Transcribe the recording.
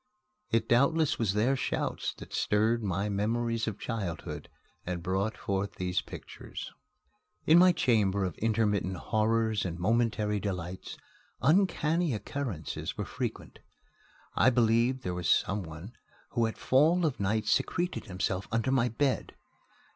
It doubtless was their shouts that stirred my memories of childhood and brought forth these pictures. In my chamber of intermittent horrors and momentary delights, uncanny occurrences were frequent. I believed there was some one who at fall of night secreted himself under my bed.